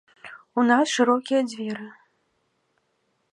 У нас шырокія дзверы!